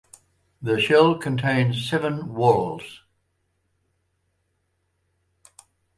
The shell contains seven whorls.